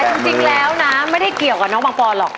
จริงแล้วนะไม่ได้เกี่ยวกับน้องปังปอนหรอก